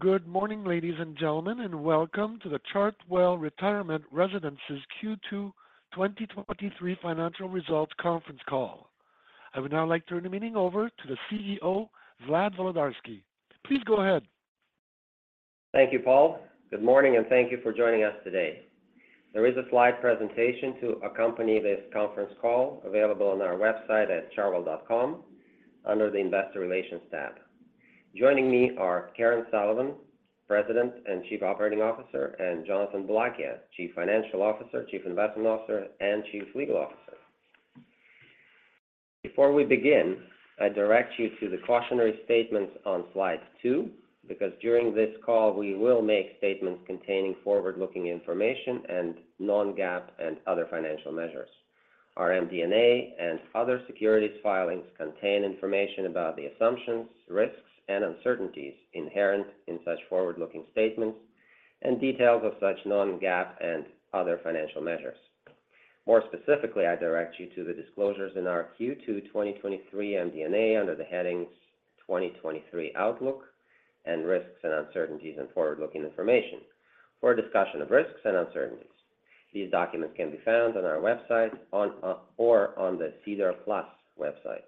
Good morning, ladies and gentlemen, and welcome to the Chartwell Retirement Residences Q2 2023 financial results conference call. I would now like to turn the meeting over to the CEO, Vlad Volodarski. Please go ahead. Thank you, Paul. Good morning, and thank you for joining us today. There is a slide presentation to accompany this conference call available on our website at chartwell.com, under the Investor Relations tab. Joining me are Karen Sullivan, President and Chief Operating Officer, Jonathan Boulakia, Chief Financial Officer, Chief Investment Officer, and Chief Legal Officer. Before we begin, I direct you to the cautionary statements on slide two, because during this call, we will make statements containing forward-looking information and non-GAAP and other financial measures. Our MD&A and other securities filings contain information about the assumptions, risks, and uncertainties inherent in such forward-looking statements and details of such non-GAAP and other financial measures. More specifically, I direct you to the disclosures in our Q2 2023 MD&A under the headings, "2023 Outlook" and "Risks and Uncertainties and Forward-Looking Information" for a discussion of risks and uncertainties. These documents can be found on our website on, or on the SEDAR+ website.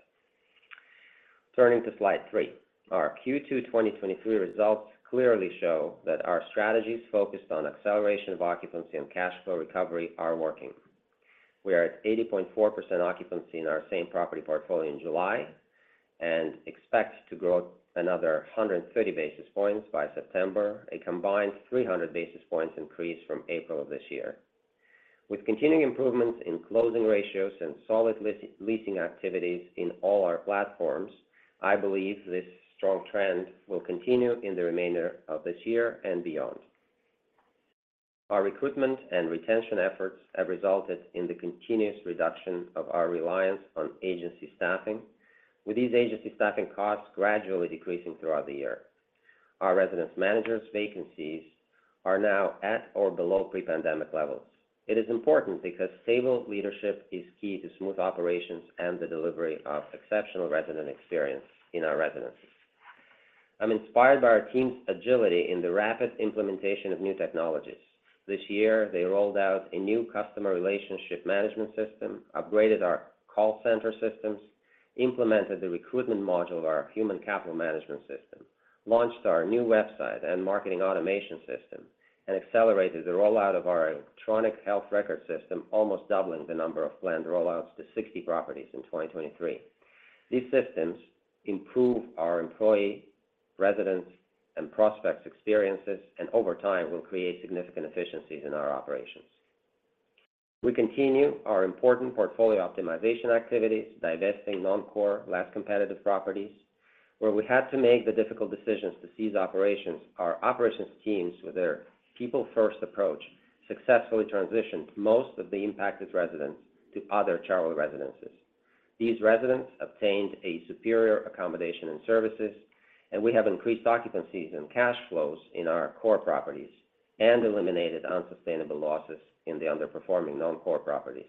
Turning to slide three. Our Q2 2023 results clearly show that our strategies focused on acceleration of occupancy and cash flow recovery are working. We are at 80.4% occupancy in our same property portfolio in July, and expect to grow another 130 basis points by September, a combined 300 basis points increase from April of this year. With continuing improvements in closing ratios and solid leasing activities in all our platforms, I believe this strong trend will continue in the remainder of this year and beyond. Our recruitment and retention efforts have resulted in the continuous reduction of our reliance on agency staffing, with these agency staffing costs gradually decreasing throughout the year. Our residence managers vacancies are now at or below pre-pandemic levels. It is important because stable leadership is key to smooth operations and the delivery of exceptional resident experience in our residences. I'm inspired by our team's agility in the rapid implementation of new technologies. This year, they rolled out a new customer relationship management system, upgraded our call center systems, implemented the recruitment module of our human capital management system, launched our new website and marketing automation system, and accelerated the rollout of our electronic health record system, almost doubling the number of planned rollouts to 60 properties in 2023. These systems improve our employee, residents, and prospects experiences, and over time, will create significant efficiencies in our operations. We continue our important portfolio optimization activities, divesting non-core, less competitive properties, where we had to make the difficult decisions to cease operations. Our operations teams, with their people-first approach, successfully transitioned most of the impacted residents to other Chartwell residences. These residents obtained a superior accommodation and services, we have increased occupancies and cash flows in our core properties, and eliminated unsustainable losses in the underperforming non-core properties.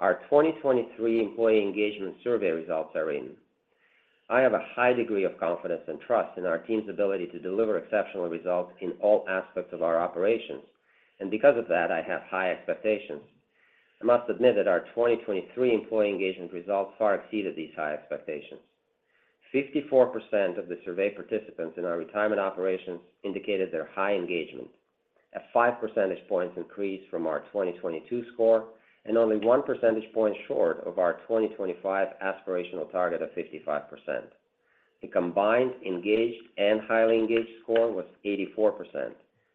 Our 2023 employee engagement survey results are in. I have a high degree of confidence and trust in our team's ability to deliver exceptional results in all aspects of our operations, and because of that, I have high expectations. I must admit that our 2023 employee engagement results far exceeded these high expectations. 54% of the survey participants in our retirement operations indicated their high engagement, a 5 percentage points increase from our 2022 score, and only 1 percentage point short of our 2025 aspirational target of 55%. The combined engaged and highly engaged score was 84%,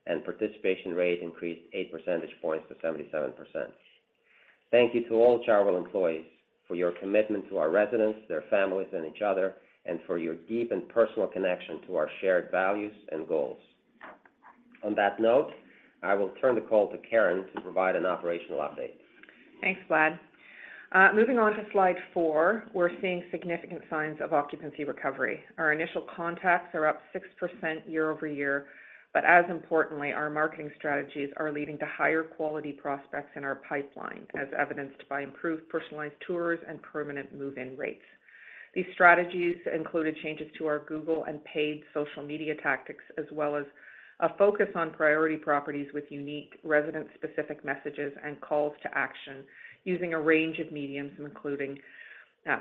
and participation rate increased 8 percentage points to 77%. Thank you to all Chartwell employees for your commitment to our residents, their families, and each other, and for your deep and personal connection to our shared values and goals. On that note, I will turn the call to Karen to provide an operational update. Thanks, Vlad. Moving on to slide four, we're seeing significant signs of occupancy recovery. Our initial contacts are up 6% year-over-year, but as importantly, our marketing strategies are leading to higher quality prospects in our pipeline, as evidenced by improved personalized tours and permanent move-in rates. These strategies included changes to our Google and paid social media tactics, as well as a focus on priority properties with unique resident-specific messages and calls to action, using a range of mediums, including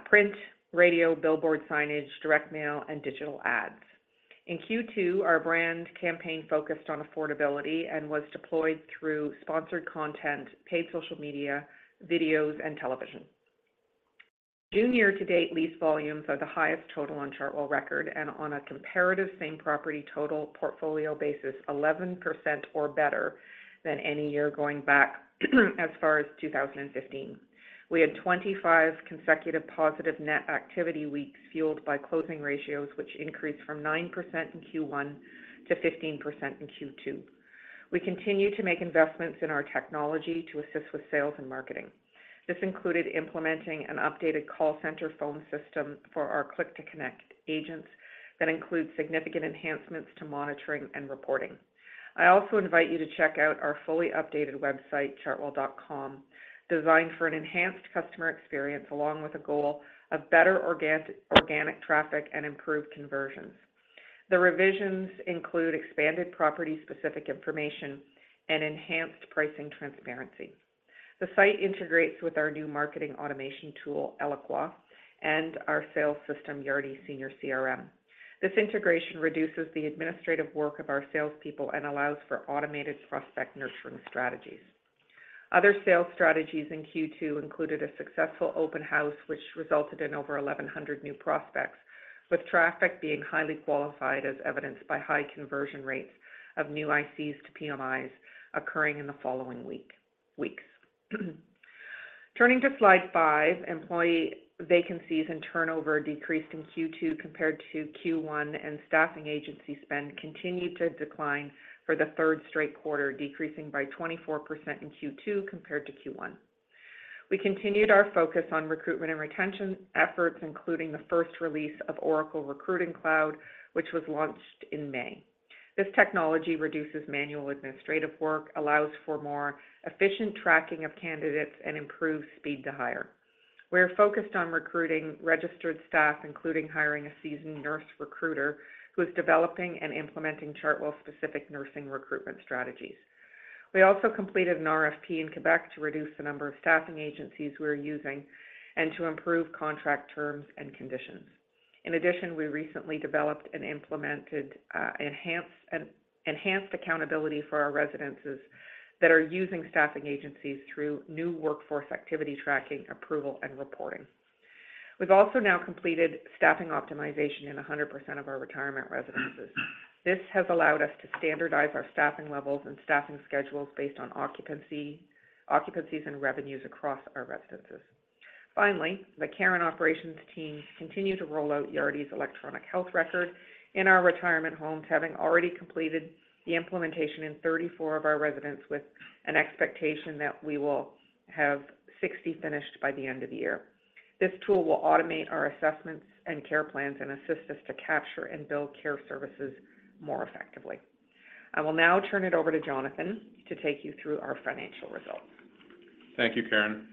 print, radio, billboard signage, direct mail, and digital ads. In Q2, our brand campaign focused on affordability and was deployed through sponsored content, paid social media, videos, and television. June year-to-date lease volumes are the highest total on Chartwell record and on a comparative same property total portfolio basis, 11% or better than any year going back, as far as 2015. We had 25 consecutive positive net activity weeks, fueled by closing ratios, which increased from 9% in Q1 to 15% in Q2. We continue to make investments in our technology to assist with sales and marketing. This included implementing an updated call center phone system for our click-to-connect agents that includes significant enhancements to monitoring and reporting. I also invite you to check out our fully updated website, chartwell.com, designed for an enhanced customer experience, along with a goal of better organic, organic traffic and improved conversions. The revisions include expanded property-specific information and enhanced pricing transparency. The site integrates with our new marketing automation tool, Eloqua, and our sales system, Yardi Senior CRM. This integration reduces the administrative work of our salespeople and allows for automated prospect nurturing strategies. Other sales strategies in Q2 included a successful open house, which resulted in over 1,100 new prospects, with traffic being highly qualified, as evidenced by high conversion rates of new ICs to PMIs occurring in the following weeks. Turning to Slide five, employee vacancies and turnover decreased in Q2 compared to Q1, and staffing agency spend continued to decline for the third straight quarter, decreasing by 24% in Q2 compared to Q1. We continued our focus on recruitment and retention efforts, including the first release of Oracle Recruiting Cloud, which was launched in May. This technology reduces manual administrative work, allows for more efficient tracking of candidates, and improves speed to hire. We are focused on recruiting registered staff, including hiring a seasoned nurse recruiter who is developing and implementing Chartwell-specific nursing recruitment strategies. We also completed an RFP in Quebec to reduce the number of staffing agencies we are using and to improve contract terms and conditions. In addition, we recently developed and implemented, enhanced and enhanced accountability for our residences that are using staffing agencies through new workforce activity tracking, approval, and reporting. We've also now completed staffing optimization in 100% of our retirement residences. This has allowed us to standardize our staffing levels and staffing schedules based on occupancy, occupancies and revenues across our residences. Finally, the care and operations team continue to roll out Yardi's electronic health record in our retirement homes, having already completed the implementation in 34 of our residents, with an expectation that we will have 60 finished by the end of the year. This tool will automate our assessments and care plans and assist us to capture and bill care services more effectively. I will now turn it over to Jonathan to take you through our financial results. Thank you, Karen.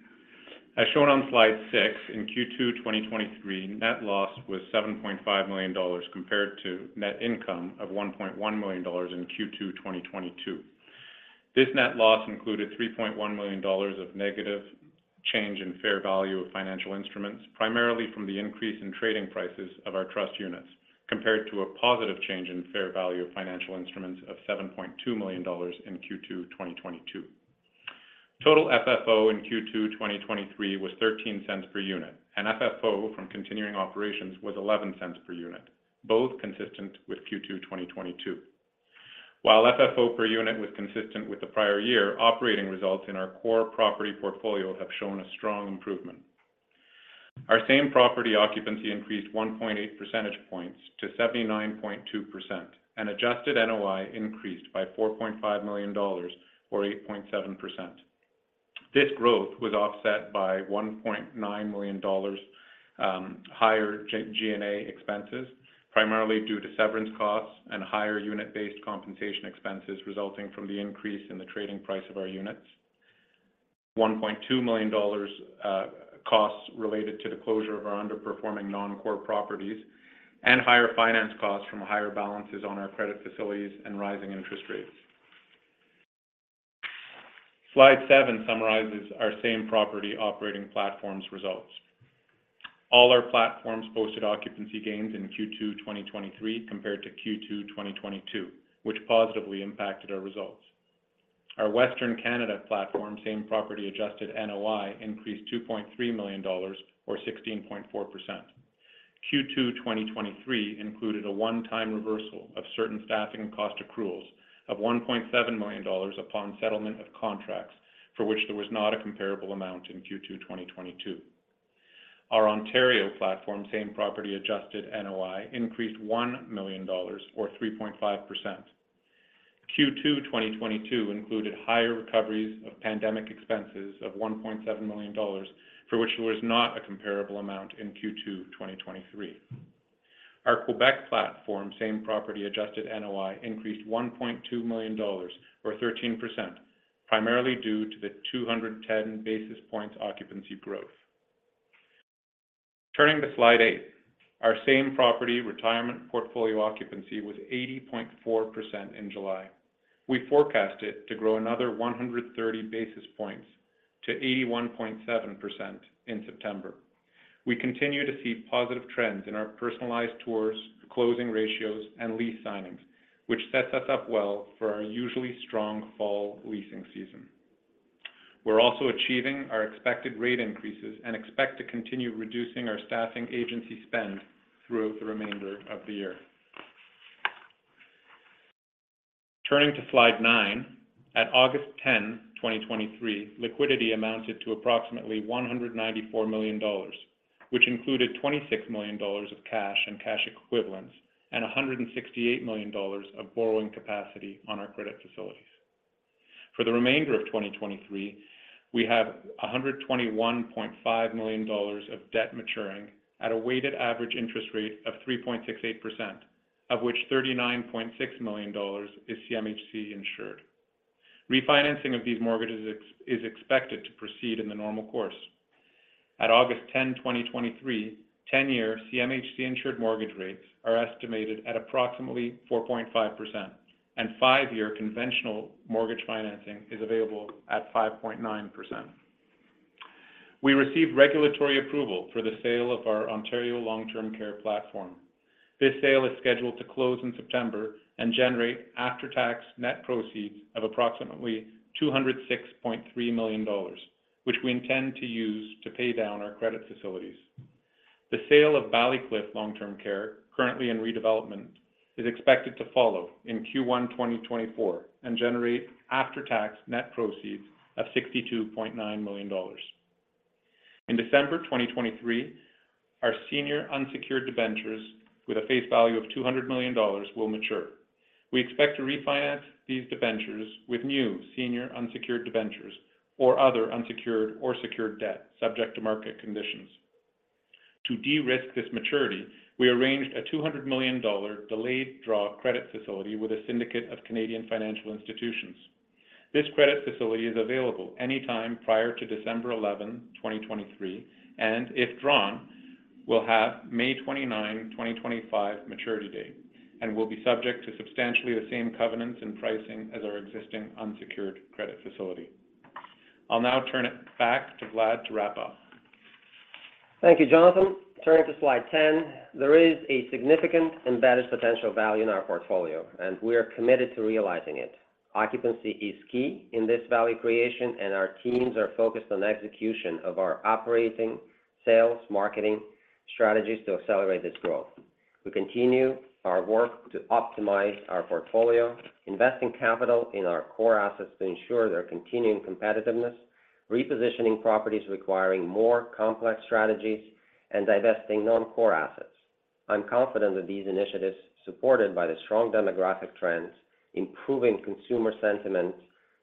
As shown on Slide six, in Q2 2023, net loss was 7.5 million dollars, compared to net income of 1.1 million dollars in Q2 2022. This net loss included 3.1 million dollars of negative change in fair value of financial instruments, primarily from the increase in trading prices of our trust units, compared to a positive change in fair value of financial instruments of 7.2 million dollars in Q2 2022. Total FFO in Q2 2023 was 0.13 per unit, and FFO from continuing operations was 0.11 per unit, both consistent with Q2 2022. While FFO per unit was consistent with the prior year, operating results in our core property portfolio have shown a strong improvement. Our same property occupancy increased 1.8 percentage points to 79.2%, and adjusted NOI increased by 4.5 million dollars, or 8.7%. This growth was offset by 1.9 million dollars higher G&A expenses, primarily due to severance costs and higher unit-based compensation expenses resulting from the increase in the trading price of our units, 1.2 million dollars costs related to the closure of our underperforming non-core properties, and higher finance costs from higher balances on our credit facilities and rising interest rates. Slide seven summarizes our same property operating platforms results. All our platforms posted occupancy gains in Q2 2023, compared to Q2 2022, which positively impacted our results. Our Western Canada platform, same property adjusted NOI, increased 2.3 million dollars or 16.4%. Q2 2023 included a one-time reversal of certain staffing cost accruals of 1.7 million dollars upon settlement of contracts, for which there was not a comparable amount in Q2 2022. Our Ontario platform, same property adjusted NOI, increased 1 million dollars or 3.5%. Q2 2022 included higher recoveries of pandemic expenses of 1.7 million dollars, for which there was not a comparable amount in Q2 2023. Our Quebec platform, same property adjusted NOI, increased 1.2 million dollars or 13%, primarily due to the 210 basis points occupancy growth. Turning to Slide eight, our same property retirement portfolio occupancy was 80.4% in July. We forecast it to grow another 130 basis points to 81.7% in September. We continue to see positive trends in our personalized tours, closing ratios, and lease signings, which sets us up well for our usually strong fall leasing season. We're also achieving our expected rate increases and expect to continue reducing our staffing agency spend throughout the remainder of the year. Turning to Slide nine, at August 10, 2023, liquidity amounted to approximately 194 million dollars, which included 26 million dollars of cash and cash equivalents and 168 million dollars of borrowing capacity on our credit facilities. For the remainder of 2023, we have 121.5 million dollars of debt maturing at a weighted average interest rate of 3.68%, of which 39.6 million dollars is CMHC insured. Refinancing of these mortgages is expected to proceed in the normal course. At August 10, 2023, 10-year CMHC insured mortgage rates are estimated at approximately 4.5%, and five-year conventional mortgage financing is available at 5.9%. We received regulatory approval for the sale of our Ontario Long-Term Care platform. This sale is scheduled to close in September and generate after-tax net proceeds of approximately 206.3 million dollars, which we intend to use to pay down our credit facilities. The sale of Ballycliffe Long-Term Care, currently in redevelopment, is expected to follow in Q1 2024 and generate after-tax net proceeds of 62.9 million dollars. In December 2023, our senior unsecured debentures with a face value of 200 million dollars will mature. We expect to refinance these debentures with new senior unsecured debentures or other unsecured or secured debt, subject to market conditions. To de-risk this maturity, we arranged a 200 million dollar delayed draw credit facility with a syndicate of Canadian financial institutions. This credit facility is available anytime prior to December 11, 2023, and if drawn, will have May 29, 2025, maturity date and will be subject to substantially the same covenants and pricing as our existing unsecured credit facility. I'll now turn it back to Vlad to wrap up. Thank you, Jonathan. Turning to slide 10, there is a significant embedded potential value in our portfolio, and we are committed to realizing it. Occupancy is key in this value creation, and our teams are focused on execution of our operating, sales, marketing strategies to accelerate this growth. We continue our work to optimize our portfolio, investing capital in our core assets to ensure their continuing competitiveness, repositioning properties requiring more complex strategies, and divesting non-core assets. I'm confident that these initiatives, supported by the strong demographic trends, improving consumer sentiment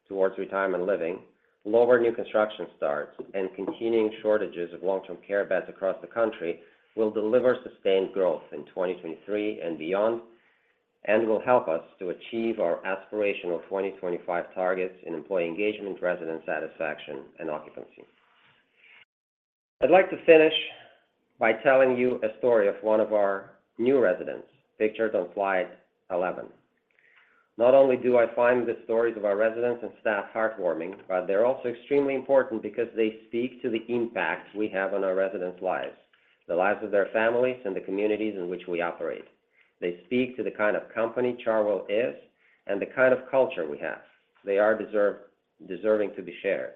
towards retirement living, lower new construction starts, and continuing shortages of long-term care beds across the country, will deliver sustained growth in 2023 and beyond, and will help us to achieve our aspirational 2025 targets in employee engagement, resident satisfaction, and occupancy. I'd like to finish by telling you a story of one of our new residents, pictured on slide 11. Not only do I find the stories of our residents and staff heartwarming, but they're also extremely important because they speak to the impact we have on our residents' lives, the lives of their families, and the communities in which we operate. They speak to the kind of company Chartwell is and the kind of culture we have. They are deserving to be shared.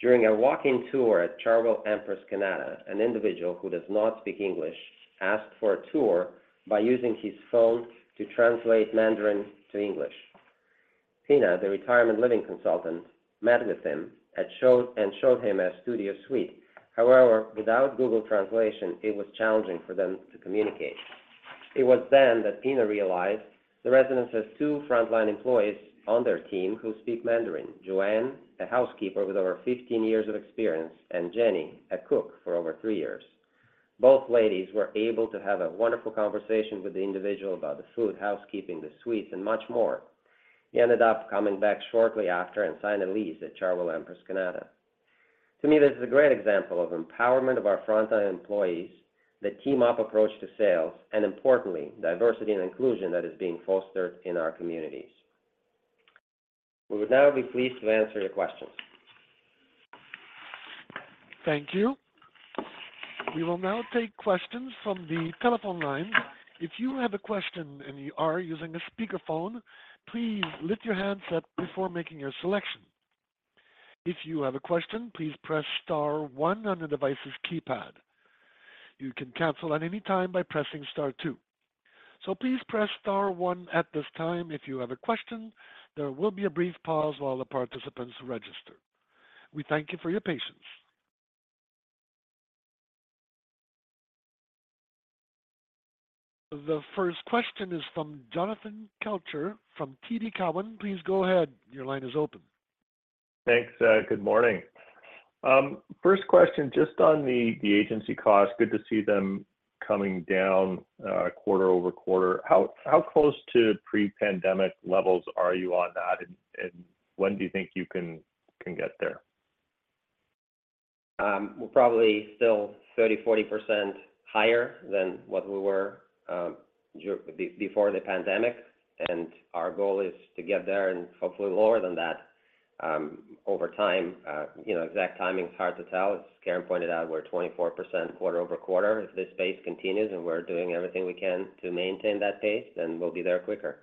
During a walk-in tour at Chartwell Empress Kanata, an individual who does not speak English asked for a tour by using his phone to translate Mandarin to English. Tina, the retirement living consultant, met with him and showed him a studio suite. However, without Google Translation, it was challenging for them to communicate. It was then that Tina realized the residence has two frontline employees on their team who speak Mandarin: Joanne, a housekeeper with over 15 years of experience, and Jenny, a cook for over three years. Both ladies were able to have a wonderful conversation with the individual about the food, housekeeping, the suites, and much more. He ended up coming back shortly after and signed a lease at Chartwell Empress Kanata. To me, this is a great example of empowerment of our frontline employees, the team-up approach to sales, and importantly, diversity and inclusion that is being fostered in our communities. We would now be pleased to answer your questions. Thank you. We will now take questions from the telephone line. If you have a question and you are using a speakerphone, please lift your handset before making your selection. If you have a question, please press star one on the device's keypad. You can cancel at any time by pressing star two. Please press star one at this time if you have a question. There will be a brief pause while the participants register. We thank you for your patience. The first question is from Jonathan Kelcher from TD Cowen. Please go ahead. Your line is open. Thanks. Good morning. First question, just on the agency costs, good to see them coming down, quarter-over-quarter. How, how close to pre-pandemic levels are you on that, and, and when do you think you can, can get there? We're probably still 30%-40% higher than what we were before the pandemic. Our goal is to get there and hopefully lower than that over time. You know, exact timing is hard to tell. As Karen pointed out, we're 24% quarter-over-quarter. If this pace continues, and we're doing everything we can to maintain that pace, then we'll be there quicker.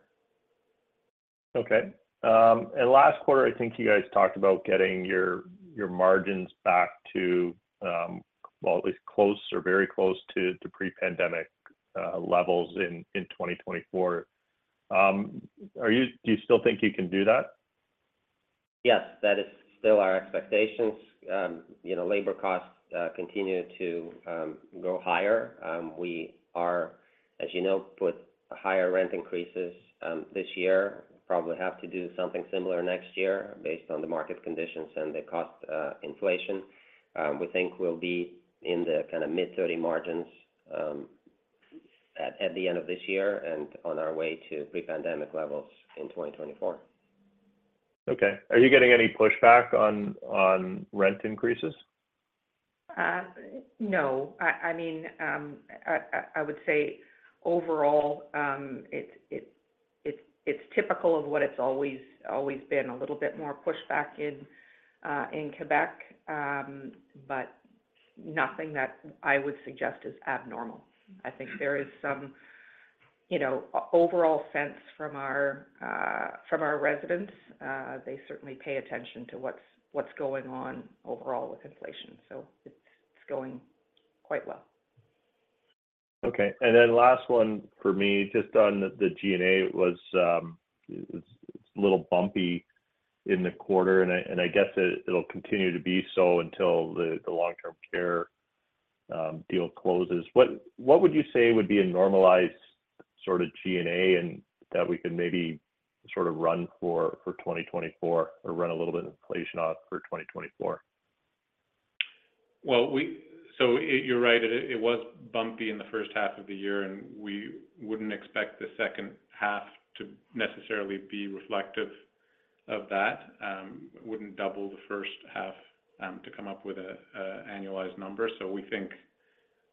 Okay. Last quarter, I think you guys talked about getting your, your margins back to, well, at least close or very close to, to pre-pandemic, levels in 2024. Do you still think you can do that? Yes, that is still our expectations. you know, labor costs continue to go higher. We are, as you know, put a higher rent increases this year. Probably have to do something similar next year based on the market conditions and the cost inflation. We think we'll be in the kind of mid-30 margins at the end of this year and on our way to pre-pandemic levels in 2024. Okay. Are you getting any pushback on, on rent increases? No. I, I mean, I, I, I would say overall, it's, it's, it's, it's typical of what it's always, always been. A little bit more pushback in, in Quebec, nothing that I would suggest is abnormal. I think there is some, you know, overall sense from our, from our residents. They certainly pay attention to what's, what's going on overall with inflation, it's, it's going quite well. Okay, last one for me, just on the G&A was, it's, it's a little bumpy in the quarter, and I, and I guess it, it'll continue to be so until the long-term care deal closes. What, what would you say would be a normalized sort of G&A, and that we could maybe sort of run for 2024, or run a little bit of inflation off for 2024? You're right. It was bumpy in the first half of the year, and we wouldn't expect the second half to necessarily be reflective of that. Wouldn't double the first half to come up with an annualized number. We think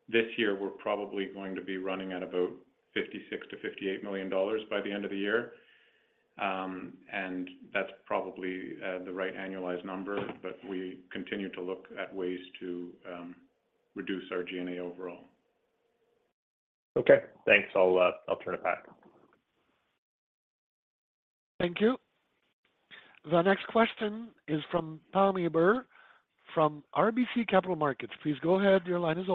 this year we're probably going to be running at about 56 million-58 million dollars by the end of the year. And that's probably the right annualized number, but we continue to look at ways to reduce our G&A overall. Okay, thanks. I'll turn it back. Thank you. The next question is from Pam Bir from RBC Capital Markets. Please go ahead. Your line is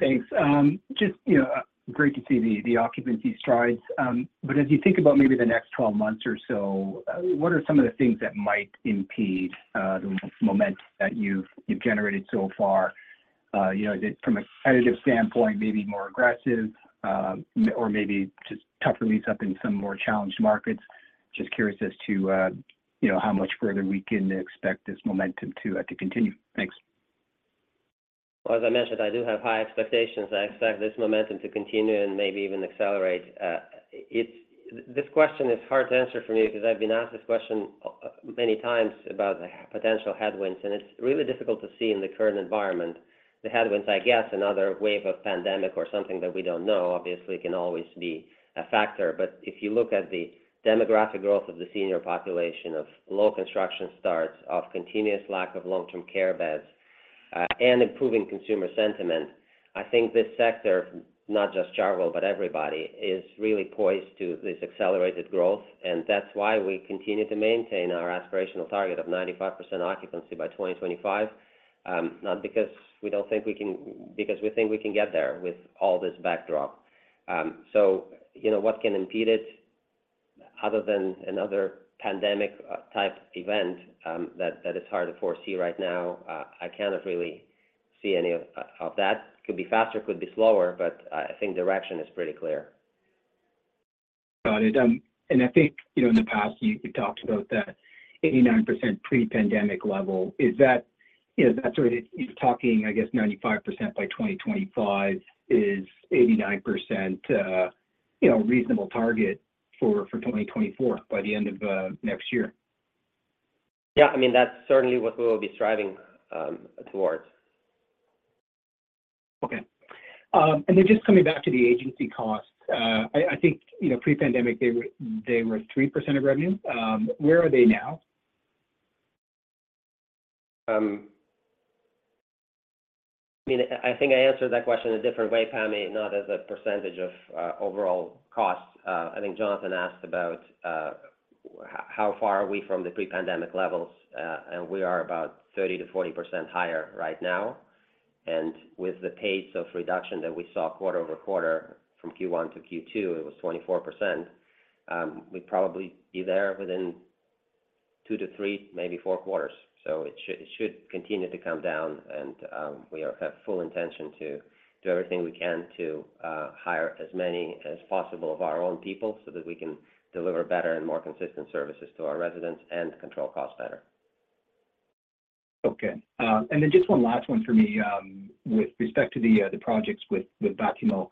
open. Thanks. Just, you know, great to see the, the occupancy strides. As you think about maybe the next 12 months or so, what are some of the things that might impede the momentum that you've, you've generated so far? You know, from a competitive standpoint, maybe more aggressive, or maybe just tougher leads up in some more challenged markets. Just curious as to, you know, how much further we can expect this momentum to continue. Thanks. Well, as I mentioned, I do have high expectations. I expect this momentum to continue and maybe even accelerate. This question is hard to answer for me, because I've been asked this question many times about the potential headwinds, and it's really difficult to see in the current environment. The headwinds, I guess, another wave of pandemic or something that we don't know, obviously, can always be a factor. But if you look at the demographic growth of the senior population, of low construction starts, of continuous lack of Long-Term Care beds, and improving consumer sentiment, I think this sector, not just Chartwell, but everybody, is really poised to this accelerated growth. That's why we continue to maintain our aspirational target of 95% occupancy by 2025. not because we don't think we can-- because we think we can get there with all this backdrop. you know, what can impede it other than another pandemic type event, that, that is hard to foresee right now, I cannot really see any of, of that. Could be faster, could be slower, I think direction is pretty clear. Got it. I think, you know, in the past, you, you talked about that 89% pre-pandemic level. Is that, is that sort of you talking, I guess, 95% by 2025, is 89%, you know, reasonable target for, for 2024, by the end of next year? Yeah, I mean, that's certainly what we will be striving, towards. Okay. then just coming back to the agency costs, I, I think, you know, pre-pandemic, they were, they were 3% of revenue. where are they now? I mean, I think I answered that question a different way, Pam, not as a percentage of overall costs. I think Jonathan asked about how, how far are we from the pre-pandemic levels, and we are about 30%-40% higher right now. With the pace of reduction that we saw quarter-over-quarter, from Q1 to Q2, it was 24%. We'd probably be there within two to three, maybe four quarters. It should, it should continue to come down, and we have full intention to do everything we can to hire as many as possible of our own people, so that we can deliver better and more consistent services to our residents and control costs better. Okay. Then just one last one for me. With respect to the projects with, with Batimo,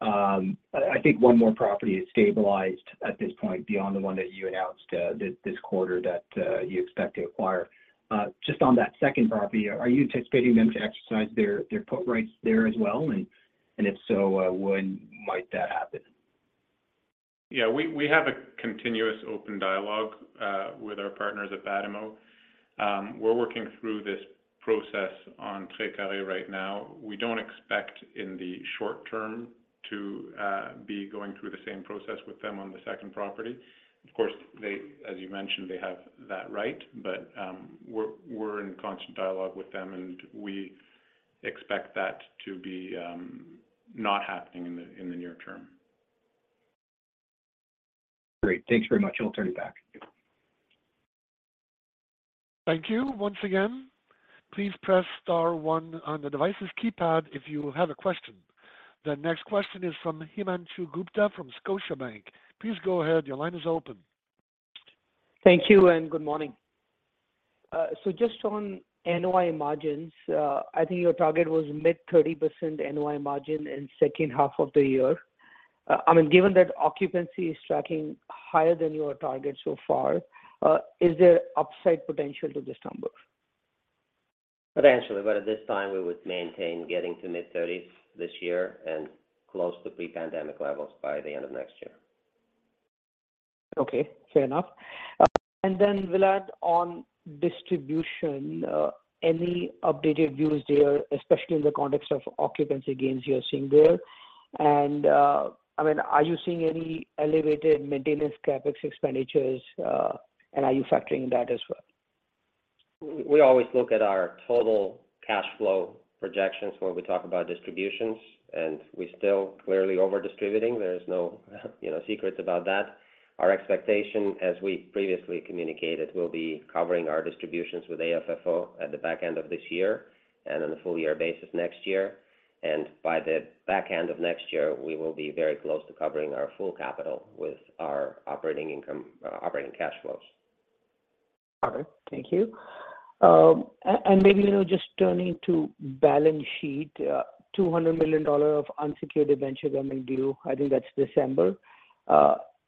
I, I think one more property is stabilized at this point beyond the one that you announced this quarter that you expect to acquire. Just on that second property, are you anticipating them to exercise their, their put rights there as well? If so, when might that happen? Yeah, we, we have a continuous open dialogue with our partners at Batimo. We're working through this process on Trait-Carré right now. We don't expect in the short term to be going through the same process with them on the second property. Of course, they, as you mentioned, they have that right, but we're, we're in constant dialogue with them, and we expect that to be.... not happening in the, in the near term. Great. Thanks very much. I'll turn it back. Thank you. Once again, please press star one on the devices keypad if you have a question. The next question is from Himanshu Gupta from Scotiabank. Please go ahead. Your line is open. Thank you, good morning. Just on NOI margins, I think your target was mid-30% NOI margin in second half of the year. I mean, given that occupancy is tracking higher than your target so far, is there upside potential to this number? Potentially, but at this time, we would maintain getting to mid-thirties this year and close to pre-pandemic levels by the end of next year. Okay, fair enough. Then, Vlad, on distribution, any updated views there, especially in the context of occupancy gains you are seeing there? I mean, are you seeing any elevated maintenance CapEx expenditures, and are you factoring that as well? We always look at our total cash flow projections when we talk about distributions, and we're still clearly over-distributing. There's no, you know, secrets about that. Our expectation, as we previously communicated, we'll be covering our distributions with AFFO at the back end of this year and on a full year basis next year. By the back end of next year, we will be very close to covering our full capital with our operating income, operating cash flows. Got it. Thank you. Maybe, you know, just turning to balance sheet, 200 million dollar of unsecured debentures coming due, I think that's December.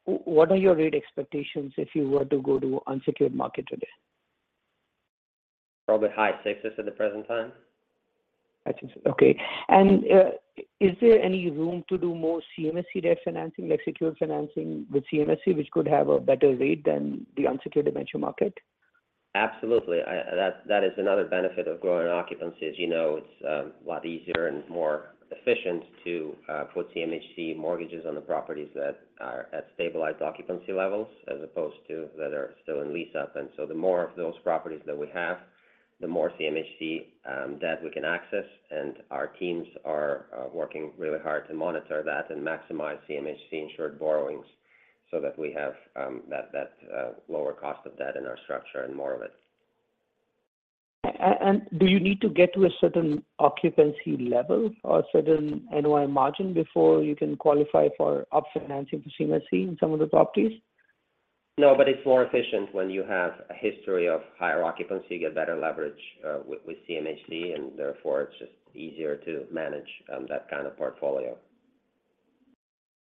What are your rate expectations if you were to go to unsecured market today? Probably high sixes at the present time. I think so. Okay. Is there any room to do more CMHC debt financing, like secured financing with CMHC, which could have a better rate than the unsecured venture market? Absolutely. I... That, that is another benefit of growing occupancy. As you know, it's a lot easier and more efficient to put CMHC mortgages on the properties that are at stabilized occupancy levels, as opposed to that are still in lease-up. So the more of those properties that we have, the more CMHC debt we can access, and our teams are working really hard to monitor that and maximize CMHC-insured borrowings so that we have that, that lower cost of debt in our structure and more of it. Do you need to get to a certain occupancy level or a certain NOI margin before you can qualify for up financing for CMHC in some of the properties? No, it's more efficient when you have a history of higher occupancy. You get better leverage with CMHC, and therefore, it's just easier to manage that kind of portfolio.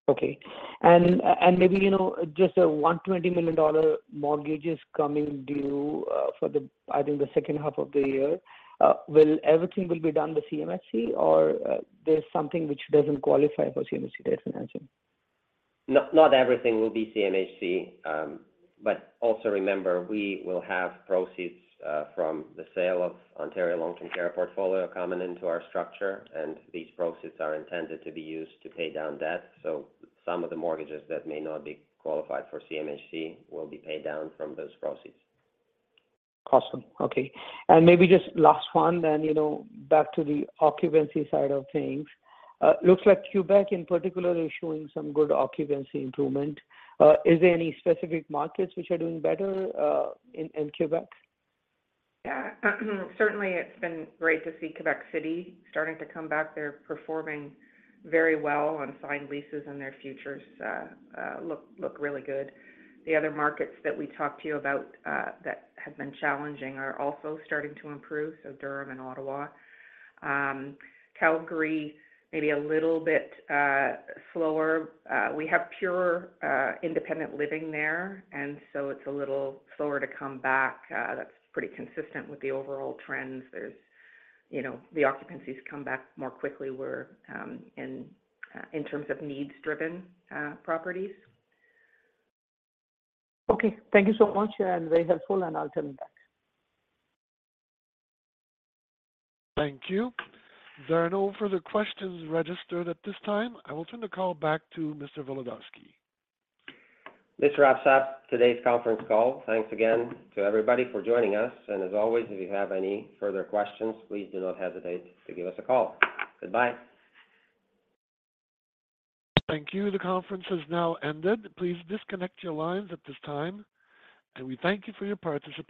Okay. Maybe, you know, just a 120 million dollar mortgage is coming due, for the, I think, the second half of the year. Will everything will be done with CMHC, or, there's something which doesn't qualify for CMHC debt financing? No not everything will be CMHC. But also remember, we will have proceeds from the sale of Ontario Long-Term Care portfolio coming into our structure, and these proceeds are intended to be used to pay down debt. Some of the mortgages that may not be qualified for CMHC will be paid down from those proceeds. Awesome. Okay, maybe just last one, then, you know, back to the occupancy side of things. Looks like Quebec, in particular, is showing some good occupancy improvement. Is there any specific markets which are doing better in Quebec? Yeah. Certainly, it's been great to see Quebec City starting to come back. They're performing very well on signed leases, and their futures look, look really good. The other markets that we talked to you about that have been challenging are also starting to improve, so Durham and Ottawa. Calgary, maybe a little bit slower. We have pure independent living there, and so it's a little slower to come back. That's pretty consistent with the overall trends. There's, you know... The occupancies come back more quickly where in terms of needs-driven properties. Okay. Thank you so much, and very helpful, and I'll turn it back. Thank you. There are no further questions registered at this time. I will turn the call back to Mr. Volodarski. This wraps up today's conference call. Thanks again to everybody for joining us, as always, if you have any further questions, please do not hesitate to give us a call. Goodbye. Thank you. The conference has now ended. Please disconnect your lines at this time, and we thank you for your participation.